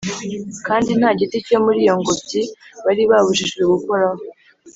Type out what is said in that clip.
kandi nta giti cyo muri iyo ngobyi bari babujijwe gukoraho